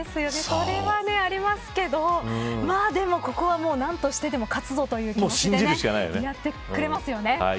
それはありますけどここは何としてでも勝つぞという気持ちでやってくれますよね。